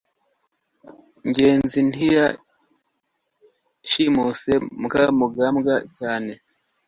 ngenzi ntiyashimuse mukarugambwa cyane